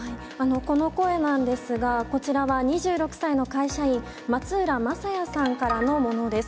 この声なんですが、こちらは２６歳の会社員、松浦将也さんからのものです。